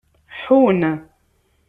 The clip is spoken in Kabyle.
Ḥun.